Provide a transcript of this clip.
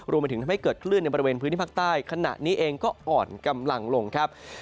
รวมไปถึงทำให้เกิดคลื่นในบริเวณพื้นที่ภาคใต้ขณะนี้เองก็อ่อนกำลังลงครับ